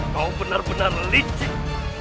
kau benar benar licik